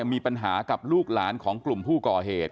มีปัญหากับลูกหลานของกลุ่มผู้ก่อเหตุ